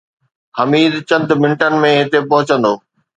حميد چند منٽن ۾ هتي پهچندو